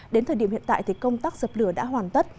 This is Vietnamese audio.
đến thời điểm hiện tại thì công tác dập lửa đã hoàn tất